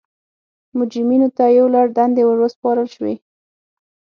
مجرمینو ته یو لړ دندې ور وسپارل شوې.